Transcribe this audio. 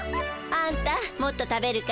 あんたもっと食べるかい？